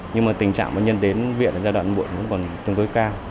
nhưng mà tình trạng bệnh nhân đến viện ở giai đoạn muộn cũng còn tương đối cao